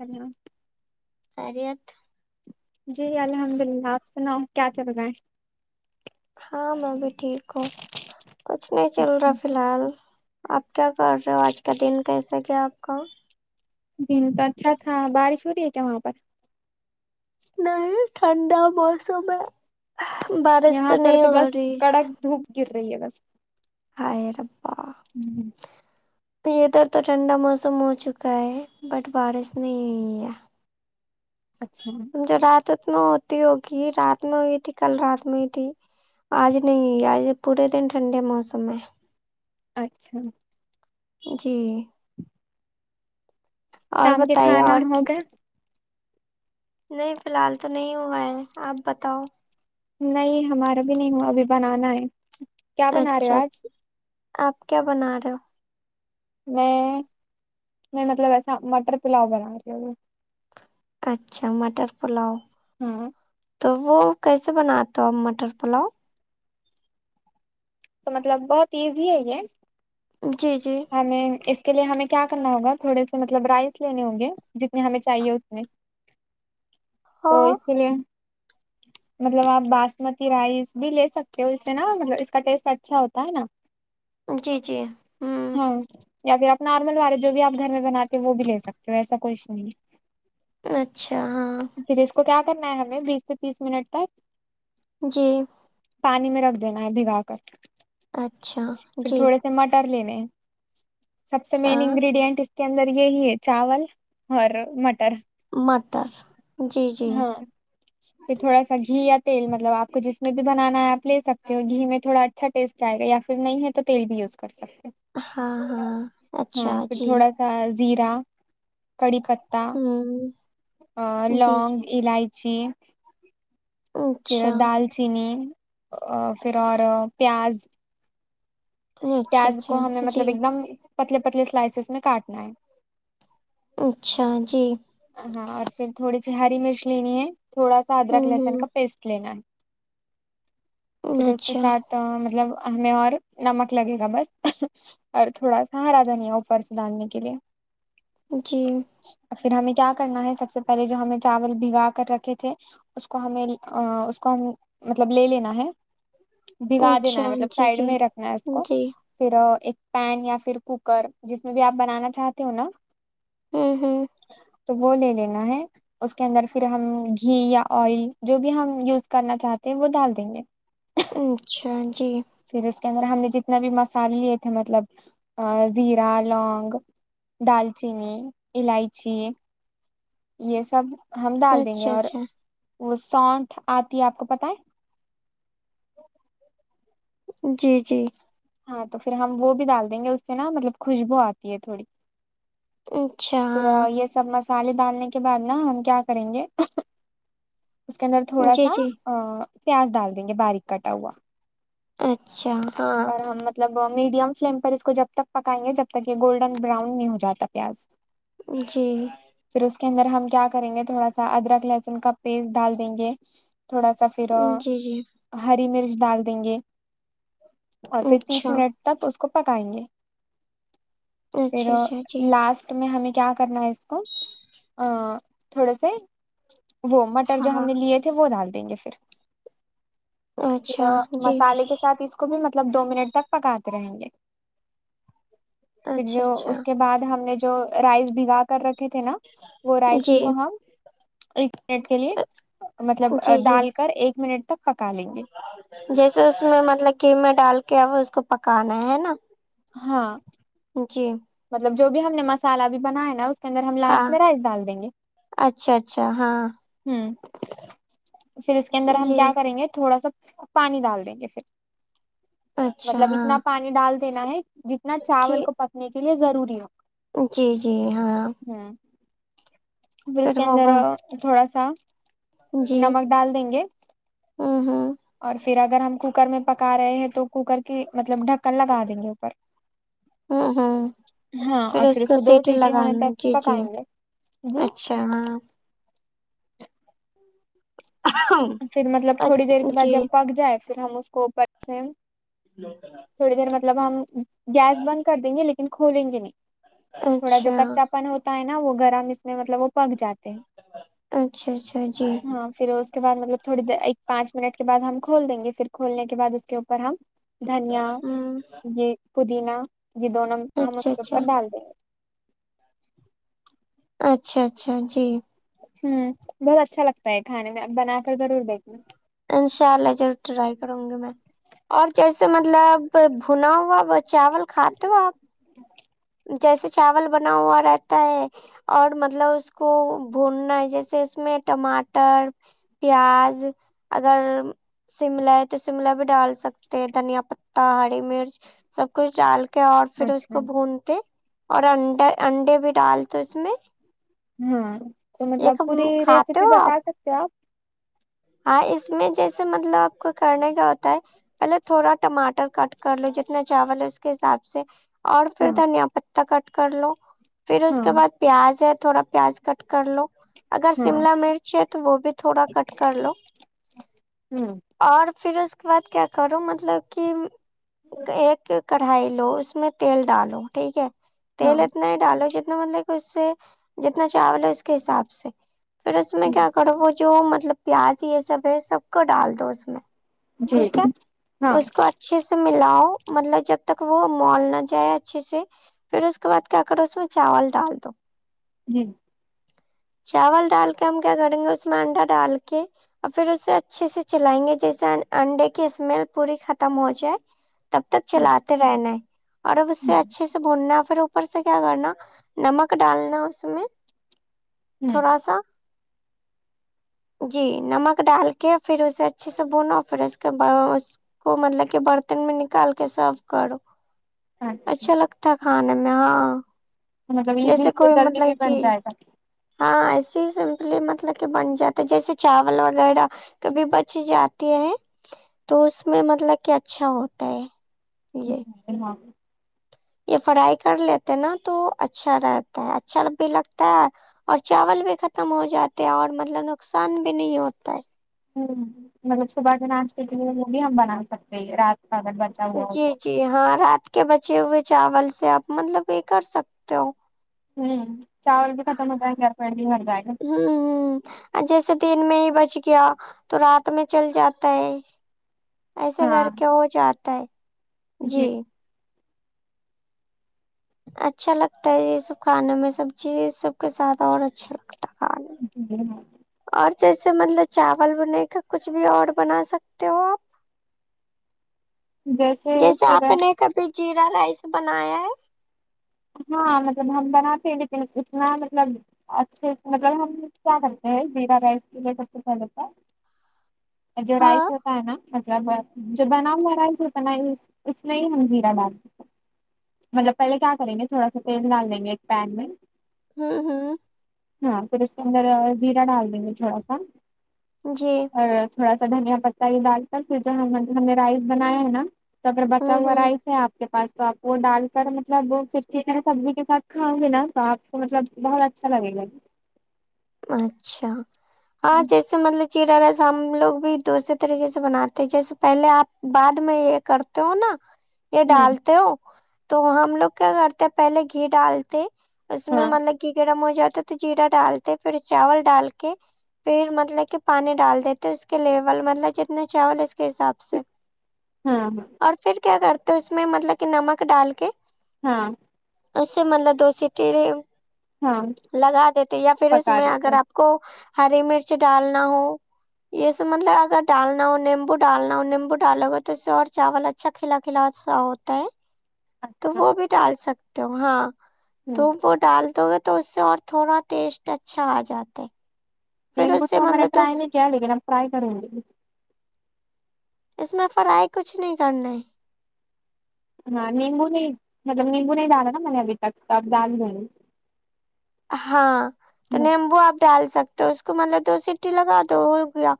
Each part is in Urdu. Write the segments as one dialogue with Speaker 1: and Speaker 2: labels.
Speaker 1: ہیلو
Speaker 2: خیریت
Speaker 1: جی الحمد اللہ آپ سناؤ کیا چل رہا ہے
Speaker 2: ہاں میں بھی ٹھیک ہوں کچھ نہیں چل رہا
Speaker 1: اچھا
Speaker 2: فی الحال آپ کیا کر رہے ہو آج کا دن کیسے گیا آپ کا
Speaker 1: دن تو اچھا تھا بارش ہو رہی ہے کیا وہاں پر
Speaker 2: نہیں ٹھنڈا موسم ہے بارش تو
Speaker 1: یہاں پر
Speaker 2: نہیں ہو
Speaker 1: بس
Speaker 2: رہی ہے
Speaker 1: کڑک دھوپ گر رہی ہے بس
Speaker 2: ہاے ربا
Speaker 1: ہوں
Speaker 2: ادھر تو ٹھنڈا موسم ہو چکا ہے بٹ بارش نہیں ہوئی ہے
Speaker 1: اچھا
Speaker 2: جو رات میں ہوتی ہوگی رات میں ہوئی تھی کل رات میں ہی تھی آج نہیں آج پورے دن ٹھنڈے موسم میں ہے
Speaker 1: اچھا
Speaker 2: جی اور
Speaker 1: شام کے
Speaker 2: بتائیے
Speaker 1: کھانا
Speaker 2: اور
Speaker 1: ہو گیا
Speaker 2: نہیں فی الحال تو نہیں ہوا ہے آپ بتاؤ
Speaker 1: نہیں ہمارا بھی نہیں ہوا ابھی بنانا ہے کیا بنا رہے ہو آج
Speaker 2: اچھاآپ کیا بنا رہے ہو
Speaker 1: میں میں مطلب ایسا مٹر پلاؤ بنا رہی ہوں
Speaker 2: اچھا مٹر پلاؤ
Speaker 1: ہاں
Speaker 2: تو وہ کیسے بناتےہو آپ مٹر پلاؤ
Speaker 1: تو مطلب بہت ایزی ہے یہ
Speaker 2: جی جی
Speaker 1: نہیں اس کے لیے ہمیں کیا کرنا ہوگا تھوڑے سے مطلب رائس لینے ہوں گے جتنے ہمیں چاہیے اتنے تو
Speaker 2: ہاں
Speaker 1: اسی لیے مطلب آپ باسمتی رائس بھی لے سکتے ہو اس سے نا مطلب اس کا ٹیسٹ اچھا ہوتا ہے نا
Speaker 2: جی جی امم
Speaker 1: ہاں یا پھر آپ نارمل والے جو بھی آپ گھر میں بناتے وہ بھی لے سکتے ہو ایسا کچھ نہیں
Speaker 2: اچھا ہاں
Speaker 1: پھر اس کو کیا کرنا ہے ہمیں بیس سے تیس منٹ تک
Speaker 2: جی
Speaker 1: پانی میں رکھ دینا ہے بھگا کر
Speaker 2: اچھا جی
Speaker 1: ٹماٹر لینے ہیں سب سے مین
Speaker 2: ہاں
Speaker 1: انگریڈینٹ کے اندر یہی ہے چاول اور مٹر
Speaker 2: مٹر جی جی
Speaker 1: ہاں پھر تھوڑا سا گھی یا تیل مطلب آپ کو جس میں بھی بنانا ہے آپ لے سکتے ہو گھی میں تھوڑا اچھا ٹیسٹ آئے گا یا پھر نہیں ہے تو بھی یوز کر سکتے
Speaker 2: ہاں ہاں اچھا جی
Speaker 1: زیرا کڑی پت پتا
Speaker 2: ہوں جی
Speaker 1: لونگ
Speaker 2: جی
Speaker 1: الاائچی پھر
Speaker 2: اچھا
Speaker 1: دال چینی آ پھر اور پیاز
Speaker 2: اچھا
Speaker 1: پیاز
Speaker 2: اچھا
Speaker 1: کو ہمیں
Speaker 2: جی
Speaker 1: مطلب ایک دم پتلے پتلے سلائسیز میں کاٹنا ہے
Speaker 2: اچھا جی
Speaker 1: ہاں اور پھر تھوڑی سی ہری مرچ لینی ہے تھوڑا سا ادرک
Speaker 2: ہوں
Speaker 1: لہسن کا
Speaker 2: ہوں
Speaker 1: پیسٹ لینا ہے پھر اس کے
Speaker 2: اچھا
Speaker 1: ساتھ تو مطلب ہمیں اور نمک لگے گا بس اور تھوڑا سا ہرا دھنیا اوپر سے دالنے کے لیے
Speaker 2: جی
Speaker 1: پھر ہمیں کیا کرنا ہے سب سے پہلے جو ہمیں چاول بھگا کر رکھے تھے اس کو ہمیں آ اس کو ہم مطلب لے لینا ہے بھگا
Speaker 2: اچھا
Speaker 1: دینا ہے مطلب
Speaker 2: جی
Speaker 1: سائڈ
Speaker 2: جی
Speaker 1: میں رکھنا ہے اس کو
Speaker 2: جی
Speaker 1: پھر ایک پین یا پھر کوکر جس میں بھی آپ بنانا چاہتے ہو نا
Speaker 2: ہمم ہمم
Speaker 1: تو وہ لے لینا ہے اس کے اندر پھر ہم گھی یا آئل جو بھی ہم یوز کرنا چاہتے ہیں وہ دال دیں گے
Speaker 2: اچھا جی
Speaker 1: پھر اس کے اندر ہم نے جتنے بھی مسالے لیے تھے مطلب زیرا لونگ دال چینی الائچی یے سب ہم ڈال دیں گے
Speaker 2: اچھا
Speaker 1: اور
Speaker 2: اچھا
Speaker 1: وہ ساونٹھ آتی ہے آپ کو پتہ ہے
Speaker 2: جی جی
Speaker 1: ہاں تو پھر ہم وہ بھی دال دیں گے اس سے نا مطلب خوشبو آتی ہے تھوڑی
Speaker 2: اچھا
Speaker 1: پورا
Speaker 2: ہاں
Speaker 1: یے سب مسالے ڈالنے کے بعد نا ہم کیا کریں گے اس کے اندر تھوڑا
Speaker 2: جی
Speaker 1: سا
Speaker 2: جی
Speaker 1: آ پیاز دال دیں گے باریک کٹا ہوا
Speaker 2: اچھا ہاں
Speaker 1: اور ہم مطلب میڈیم فلیم پر اس کو جب تک پکائیں گے جب تک یے گولڈن بران نہیں ہو جاتا پیاز
Speaker 2: جی
Speaker 1: پھر اس کے اندر ہم کیا کریں گے تھوڑا سا ادرک لہسن کا پیسٹ ڈال دیں گے تھوڑا سا پھر
Speaker 2: جی جی
Speaker 1: ہری مرچ ڈال دیں گے اور پھر تیس
Speaker 2: اچھا
Speaker 1: منٹ تک اس کو پکائیں گے پھر
Speaker 2: اچھا اچھا جی
Speaker 1: لاسٹ ہمیں کیا کرنا ہے اس کو آ تھوڑے سے وہ مٹ ٹر
Speaker 2: ہاں
Speaker 1: جو ہم
Speaker 2: ہاں
Speaker 1: نے لیے تھے وہ دال دیں گے پھر پھر
Speaker 2: اچھا جی
Speaker 1: مسالے کے ساتھ اس کو بھی مطلب دو منٹ تک پکاتے رہیں گے پھر
Speaker 2: اچھا
Speaker 1: جو
Speaker 2: اچھا
Speaker 1: اس کے بعد ہم نے جو رائس بھگا کر رکھے تھے نا وہ رائس
Speaker 2: جی
Speaker 1: کو ہم ایک منٹ کے لیے مطلب
Speaker 2: جی جی
Speaker 1: دال کر ایک منٹ تک پکا لیں گے
Speaker 2: جیسے اس میں مطلب قیمہ ڈال کے اب اس کو پکانا ہے نا
Speaker 1: ہاں
Speaker 2: جی
Speaker 1: مطلب جو بھی ہم نے مسالہ بھی بنایا نا اس کے اندر ہم لاسٹ
Speaker 2: ہاں
Speaker 1: میں رائس دال دیں گے
Speaker 2: اچھا اچھا ہاں
Speaker 1: ہمم پھر اس کے اندر ہم
Speaker 2: جی
Speaker 1: کیا کریں گے تھوڑا سا پانی ڈال دیں گے پھر
Speaker 2: اچھا
Speaker 1: مطلب
Speaker 2: ہاں
Speaker 1: اتنا پانی ڈال دینا ہے جتنا
Speaker 2: کہ
Speaker 1: چاول کو پکنے کے لیے ضروری ہو
Speaker 2: جی جی ہاں
Speaker 1: ہمم پھر اس کے
Speaker 2: وہ
Speaker 1: اندر‌ آ
Speaker 2: بم
Speaker 1: تھوڑا سا
Speaker 2: جی
Speaker 1: نمک ڈال دیں گے
Speaker 2: ہوں ہوں
Speaker 1: اور پھر اگر ہم کوکر میں پکا رہے ہیں تو کوکر کی مطلب ڈھکن لگا دیں گے اوپر
Speaker 2: ہوں ہوں
Speaker 1: ہاں اور پھر اس کو دو سیٹی ہونے تک پکائیں گے جی
Speaker 2: اوما
Speaker 1: پھر مطلب تھوڑی دیر
Speaker 2: اچ-
Speaker 1: کے بعد
Speaker 2: جی
Speaker 1: جب پک جائے پھر ہم اس کو اوپر سے
Speaker 2: لوکلہ
Speaker 1: تھوڑی دیر مطلب ہم گیس بند کر دیں گے لیکن کھولیں گے نہیں تھوڑا جو
Speaker 2: اچھا
Speaker 1: کچا پن ہوتا ہے ناں وہ گرم اس میں مطلب وہ پک جاتے ہیں
Speaker 2: اچھا اچھا جی
Speaker 1: ہاں پھر اس کے بعد مطلب تھوڑی دیر ایک پانچ منٹ کے بعد ہم کھول دیں گے پھر کھولنے کے بعد اس کے اوپر ہم دھنیا
Speaker 2: ہوں
Speaker 1: یہ پودینہ یہ دونوں ہم اس
Speaker 2: اچھا
Speaker 1: کے
Speaker 2: اچھا
Speaker 1: اوپر ڈال دیں گے
Speaker 2: اچھا اچھا جی
Speaker 1: امم بہت اچھا لگتا ہے کھانے میں اب بنا کر ضرور دیکھنا
Speaker 2: انشاء اللہ جرور ٹرائی کروں گی میں اور جیسے مطلب بھنا ہوا چاول کھاتے ہو آپ
Speaker 1: [inaudible]
Speaker 2: جیسے چاول بنا ہوا رہتا ہے اور مطلب اس کو بھوننا ہے جیسے اس میں ٹماٹر پیاز اگر شملہ ہے تو شملہ بھی ڈال سکتے دھنیا پتا ہری مرچ سب کچھ ڈال کے اور پھر اس
Speaker 1: اچھا
Speaker 2: کو بھونتے اور انڈر انڈے بھی ڈالتے ہے اس میں
Speaker 1: ہاں
Speaker 2: یہ تم کھاتے ہو آپ
Speaker 1: کیا
Speaker 2: ہاں اس میں جیسے مطلب آپ کو کرنے کیا ہوتا ہے پہلے تھوڑا ٹماٹر کٹ کرلو جتنا چاول ہے اس کے حساب سے اور
Speaker 1: ہاں
Speaker 2: پھر دھنیا پتہ کٹ کرلو پھر اس
Speaker 1: ہاں
Speaker 2: کے بعد پیاز ہے تھوڑا پیاز کٹ کرلو اگر
Speaker 1: ہاں
Speaker 2: شملا مرچ ہے تو وہ بھی تھوڑا کٹ کر لو
Speaker 1: امم
Speaker 2: اور پھر اس کے بعد کیا کروں مطلب کہ ایک ہی کٹ دھائی لو اس میں تیل ڈالو ٹھیک ہے
Speaker 1: ہاں
Speaker 2: تیل اتنا ہی ڈالو جتنا مطلب اس سے جتنا چاول ہے اس کے حساب سے پھر اس میں کیا کرو وہ جو مطلب پیاز یہ سب ہے سب کو ڈال دو اس میں
Speaker 1: جی
Speaker 2: ٹھیک ہے
Speaker 1: ہاں
Speaker 2: اس کو اچ اچھے سے ملاؤ مطلب جب تک وہ مال نہ جائے اچھے سے پھر اس کے بعد کیا کرو اس میں چاول ڈال دو
Speaker 1: جی
Speaker 2: [inaudible] چاول ڈال کے ہم کیا کریں گے اس میں انڈا ڈال کے اور پھر اسے اچھے سے چلائیں گے کہ سنگ انڈے کی اسمیل پوری ختم ہوجائے تب تک
Speaker 1: ہوں
Speaker 2: چلاتے رہنا ہے اور اب اس سے اچھے سے بھوننا پھر اوپر سے کیا کرنا نمک ڈالنا اس میں تھوڑا سا جی نمک ڈال کے پھر اسے اچھے سے بھونو پھر اس کے باس کو مطلب کہ برتن میں نکال کے سرو کرو اچھا لگتا کھانے میں ہاں
Speaker 1: مطلب ایزی
Speaker 2: جیسے
Speaker 1: بھی
Speaker 2: کوئی
Speaker 1: جلدی بھی
Speaker 2: مطلب
Speaker 1: بن
Speaker 2: جی
Speaker 1: جائے گا
Speaker 2: ہاں ایسے ہی سمپلی مطلب کہ بن جاتا ہے جیسے چاول وغیڑہ کبھی بچ جاتی ہے تو اس میں مطلب کہ اچھا ہوتا ہے
Speaker 1: جی
Speaker 2: یے
Speaker 1: ہاں
Speaker 2: یا فرائی کرلیتے ناں تو اچھا رہتا ہے اچھا بھی لگتا ہے اور چاول بھی ختم ہو جاتے ہیں اور مطلب نقصان بھی نہیں ہوتا ہے
Speaker 1: ہمم مطلب صبح کے ناشتے کے لیے بھی ہم بنا سکتے ہیں رات کا اگر بچ
Speaker 2: جی جی ہاں رات کے بچے ہوئے چاول سے آپ مطلب یے کر سکتے ہو
Speaker 1: ہمم چاول بھی ختم ہوجائیں گے اور پیٹ بھی بھر جائے گا
Speaker 2: ہمم ہمم جیسے دن میں ہی بچ گیا تو رات میں چل جاتا ہے ایسا
Speaker 1: ہاں
Speaker 2: کرکے ہوجاتا ہے جی اچھا لگتا ہے یے سب کھانے میں سب چیز سب کے ساتھ اور اچھا لگتا ہے کھانا
Speaker 1: جی ہاں
Speaker 2: اور جیسے مطلب چاول بنے کا کچھ بھی اور بنا سکتے ہو آپ جیسے آپ نے کبھی جیرا رائس بنایا ہے
Speaker 1: ہاں مطلب ہم بناتے ہیں لیکن اتنا مطلب اچھے سے مطلب ہم کیا کرتے ہیں زیرا رائس کے لیے سب سے پہلے تو جو
Speaker 2: ہاں ہ
Speaker 1: رائس ہوتا ہے نا مطلب جو بنا ہوا رائس ہوتا نا اس میں ہی ہم ذیرا ڈالتے مطلب پہلے کیا کریں گے تھوڑا سا تیل ڈال دیں گے ایک پین میں
Speaker 2: ہمم ہمم
Speaker 1: ہاں پھر اس کے اندر زیرہ ڈال دیں گے تھوڑا سا
Speaker 2: جی
Speaker 1: اور تھوڑا سا دھنیا پتا یے ڈال کر پھر جو ہم نے رائس بنایا ہے نا تو اگر بچا
Speaker 2: ہ
Speaker 1: ہوا
Speaker 2: ہ
Speaker 1: رائس ہے آپ کے پاس تو آپ وہ ڈال کر مطلب چٹنی سبزی کے ساتھ کھاؤ گی نا تو آپ کو مطلب بہت اچھا لگے گا
Speaker 2: اچھا ہاں جیسے سمجھ لے جیرا نائس ہم لوگ بھی دوسرے طریقے سے بناتے ہیں جیسے پہلے آپ بعد میں کرتے ہو نا یے
Speaker 1: ہوں
Speaker 2: ڈالتے ہو تو ہم لوگ کیا کرتے پہلے گھی ڈالتے اس میں
Speaker 1: ہاں
Speaker 2: مطلب گھی گرم ہو جاتا تو جیرا ڈالتے پھر چاول ڈال کے پھر مطلب کہ پانی ڈال دیتے اس کے لیول مطلب جتنا چاول اس کے حساب سے
Speaker 1: ہاں ہاں
Speaker 2: اور پھر کیا کرتے ہو اس میں مطلب کہ نمک ڈال کے
Speaker 1: ہاں
Speaker 2: اس سے مطلب دو سیٹی
Speaker 1: ہاں
Speaker 2: لگا دیتے یا پھر اس
Speaker 1: پکا
Speaker 2: میں
Speaker 1: دیتے
Speaker 2: اگر
Speaker 1: ہیں۔
Speaker 2: آپ کو ہری مرچی ڈالنا ہو یے اس مطلب اگر ڈالنا ہو نیمبو ڈالنا ہو نمبو ڈالو ہو تو اسے اور چاول اچھا اچھا کھلا کھلا سا ہوتا ہے تو
Speaker 1: اچھا
Speaker 2: وہ بھی ڈال سکتے ہو ہاں
Speaker 1: ہ
Speaker 2: تو وہ ڈال دو گے تو اس سے اور تھوڑا ٹیسٹ اچھا اجاتے
Speaker 1: لمبو تو ہم نے ٹرائے نہیں کیا لیکن اب ٹرائی کروں گی
Speaker 2: اس میں فرائی کچھ نہیں کرنا ہے
Speaker 1: ہاں نیمبو نہیں مطلب نیمبو نہیں دال ہے نا ابھی تک تو اب دال دینگے
Speaker 2: ہاں تو
Speaker 1: گی
Speaker 2: نیمبو آپ ڈال سکتے ہو اس کو مطلب دو سٹی لگا دو ہو گیا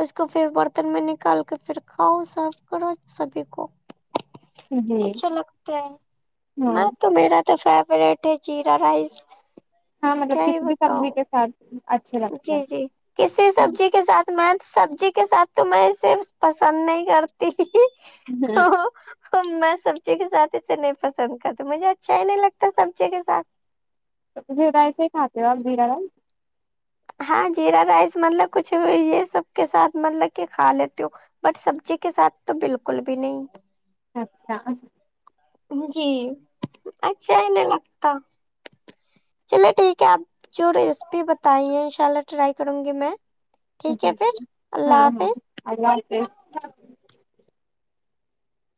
Speaker 2: اس کو پھر برتن میں نکال کے پھر کھاؤ سرو کرو سبھی کو
Speaker 1: جی
Speaker 2: اچھا لگتا ہے
Speaker 1: ہاں
Speaker 2: میں تو میرا تو فیوریٹ ہے جیرا رائس
Speaker 1: ہاں مطلب
Speaker 2: کیا ہی
Speaker 1: کسی بھی
Speaker 2: بتاؤ
Speaker 1: سبزی کے ساتھ اچھے لگتے
Speaker 2: جی
Speaker 1: ہیں
Speaker 2: جی کسی سبزی کے ساتھ میں سبزی کے ساتھ تو میں صرف پسند نہیں کر ہ میں سبزی کے ساتھ اسے نہیں پسند کرتی مجھے اچھا ہی نہیں لگتا سبزی کے ساتھ
Speaker 1: تو پھر ایسے ہی کھاتے ہو آپ زیرہ رائس
Speaker 2: ہاں جیرا رائس مطلب کچھ یے سب کے ساتھ مطلب کہ کھا لیتی ہو بٹ سبزی کے ساتھ تو بالکل بھی نہیں
Speaker 1: اچھا
Speaker 2: جی اچھا ہی نہیں لگتا چلو ٹھیک ہے اب جو ریسیپی بتائیے ان شاء اللہ ٹرائی کروں گی میں ٹھیک ہے
Speaker 1: جی
Speaker 2: پھر
Speaker 1: جی ہاں
Speaker 2: اللہ
Speaker 1: ہاں
Speaker 2: حافظ
Speaker 1: اللہ حافظ